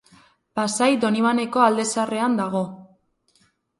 Pasai Donibaneko Alde Zaharrean dago.